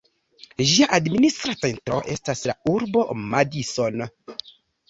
Ĝia administra centro estas la urbo Madison.